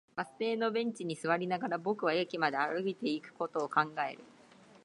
バス停のベンチに座りながら、僕は駅まで歩いていくことを考える